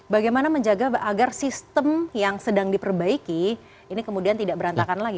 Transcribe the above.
bagaimana menjaga agar sistem yang sedang diperbaiki ini kemudian tidak berantakan lagi